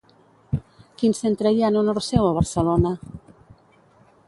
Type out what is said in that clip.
Quin centre hi ha en honor seu a Barcelona?